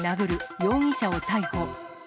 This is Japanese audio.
容疑者を逮捕。